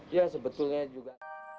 ya sebetulnya juga